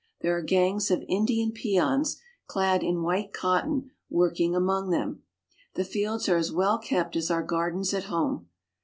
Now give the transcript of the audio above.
There are gangs of Indian peons, clad in white cotton, working among them. The fields are as well kept as our gardens at home.